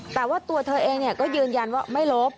แต่ว่าตัวเธอเองก็ยืนยันว่าไม่ลบ